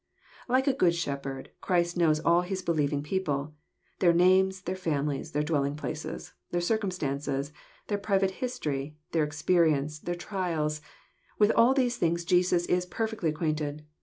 Like a good shepherd, Christ knows all His believing people. Their names, their families, their dwelling places, their circumstances, their private history, their experience, their trials, — with all these things Jesus is perfectly acquainted.